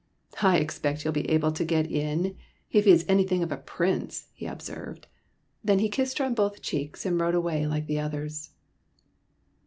'' I expect he '11 be able to get in, if he is anything of a prince," he observed. Then he kissed her on both cheeks, and rode away like the others.